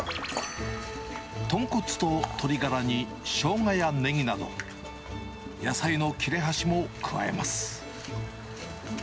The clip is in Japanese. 豚骨と鶏ガラにショウガやネギなど、野菜の切れ端も加えます。